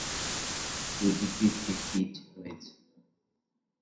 দুইটি কৃত্রিম পীচ রয়েছে।